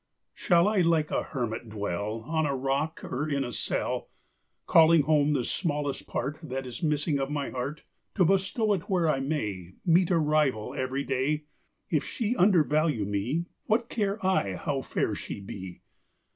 Shall I like a hermit dwell, On a rock, or in a cell, Calling home the smallest part That is missing of my heart, To bestow it where I may Meet a rival every day? If she undervalue me, What care I how fair she be?